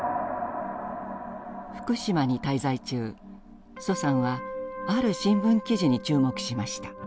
福島に滞在中徐さんはある新聞記事に注目しました。